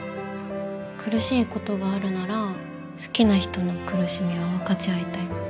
苦しいことがあるなら好きな人の苦しみは分かち合いたい。